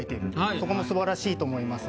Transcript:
そこも素晴らしいと思います。